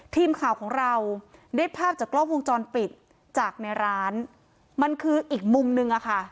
ทีมข่าวของเราได้ภาพจากกล้องวงจรปิดจากในร้านมันคืออีกมุมนึงอะค่ะ